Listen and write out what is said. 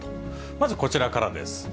まずこちらからです。